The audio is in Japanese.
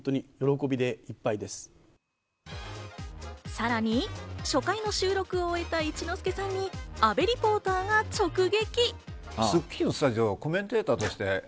さらに初回の収録を終えた一之輔さんに阿部リポーターが直撃！